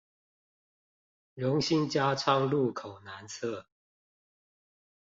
榮新加昌路口南側